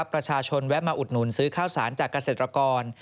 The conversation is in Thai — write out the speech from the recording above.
แวะมาอุดหนุนซื้อข้าวสารจากเกษตรกร